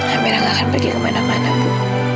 amirah tidak akan pergi kemana mana bu